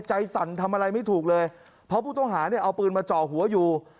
สั่นทำอะไรไม่ถูกเลยเพราะผู้ต้องหาเนี่ยเอาปืนมาจ่อหัวอยู่